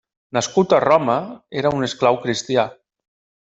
Nascut a Roma, era un esclau cristià.